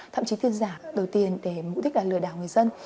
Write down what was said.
thậm chí tiền giả đổi tiền để mục đích là lừa đảo người dân